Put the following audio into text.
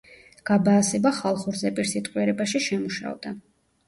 გაბაასება ხალხურ ზეპირსიტყვიერებაში შემუშავდა.